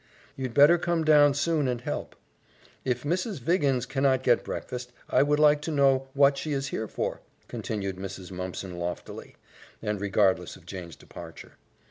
"You'd better come down soon and help." "If Mrs. Viggins cannot get breakfast, I would like to know what she is here for" continued Mrs. Mumpson loftily, and regardless of Jane's departure.